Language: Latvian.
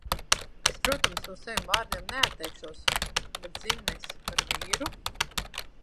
Es, protams, no saviem vārdiem neatteikšos, bet ziņnesi par vīru?